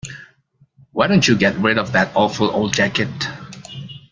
Why don't you get rid of that awful old jacket?